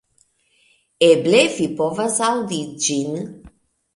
Eble vi povas aŭdi ĝin